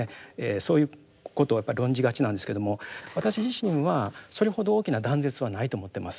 そういうことを論じがちなんですけども私自身はそれほど大きな断絶はないと思ってます。